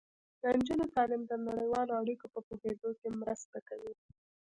د نجونو تعلیم د نړیوالو اړیکو په پوهیدو کې مرسته کوي.